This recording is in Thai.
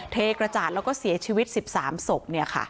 เทกระจาดแล้วก็เสียชีวิต๑๓ศพ